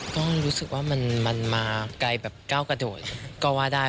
ก็รู้สึกว่ามันมาไกลแบบก้าวกระโดดก็ว่าได้